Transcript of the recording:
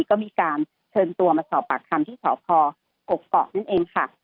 ก็มีการเชิญตัวมาสอบปากคำที่สพกกอกนั่นเองค่ะ